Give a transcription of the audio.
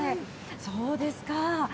そうですか。